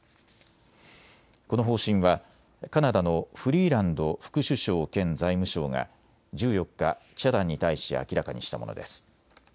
この方針はカナダのフリーランド副首相兼財務相が１４日、記者団に対し明らかにしたものです。